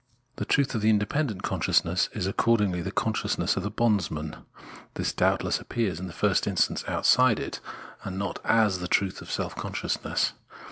The truth of the independent consciousness is accord ingly the consciousness of the bondsman. This doubt less appears in the first instance outside it, and not as the truth of self consciousness.